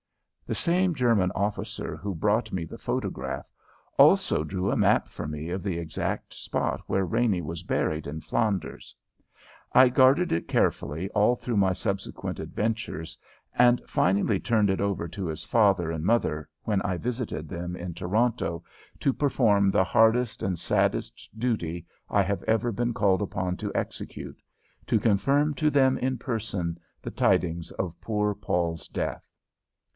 The same German officer who brought me the photograph also drew a map for me of the exact spot where Raney was buried in Flanders. I guarded it carefully all through my subsequent adventures and finally turned it over to his father and mother when I visited them in Toronto to perform the hardest and saddest duty I have ever been called upon to execute to confirm to them in person the tidings of poor Paul's death.